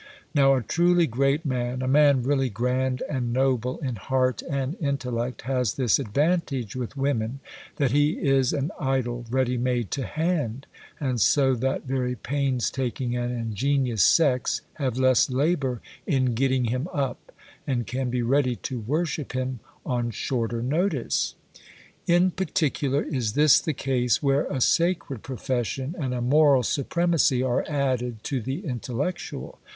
Now a truly great man, a man really grand and noble in heart and intellect, has this advantage with women, that he is an idol ready made to hand; and so that very painstaking and ingenious sex have less labour in getting him up, and can be ready to worship him on shorter notice. In particular is this the case where a sacred profession and a moral supremacy are added to the intellectual.